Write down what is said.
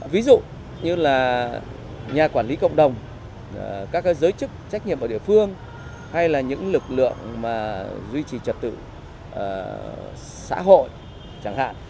ví dụ như là nhà quản lý cộng đồng các giới chức trách nhiệm ở địa phương hay là những lực lượng mà duy trì trật tự xã hội chẳng hạn